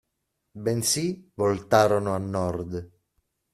Bensì voltarono a Nord.